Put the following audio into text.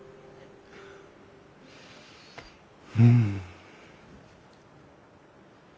うん？